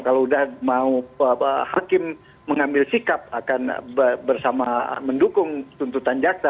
kalau sudah mau hakim mengambil sikap akan bersama mendukung tuntutan jaksa